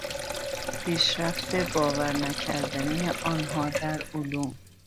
پیشرفت باور نکردنی آنها در علوم